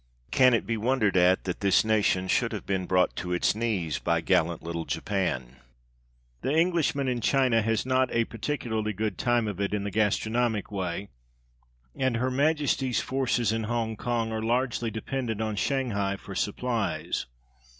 Can it be wondered at that this nation should have been brought to its knees by gallant little Japan? The Englishman in China has not a particularly good time of it, in the gastronomic way, and H.M. forces in Hong Kong are largely dependent on Shanghai for supplies.